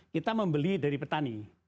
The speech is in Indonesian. kita membeli dari petani